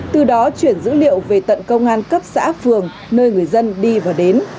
từ đó chuyển dữ liệu về tận công an cấp xã phường nơi người dân đi và đến